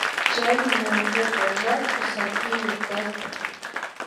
Chay mallkiqa rakhu saphiyuq kasqa.